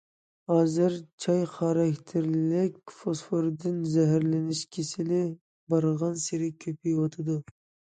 ھازىر« چاي خاراكتېرلىك فوسفوردىن زەھەرلىنىش كېسىلى» بارغانسېرى كۆپىيىۋاتىدۇ.